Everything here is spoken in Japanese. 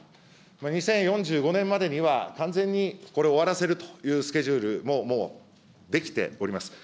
２０４５年までには完全にこれを終わらせるというスケジュールももう、出来ております。